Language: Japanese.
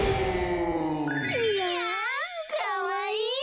いやんかわいい！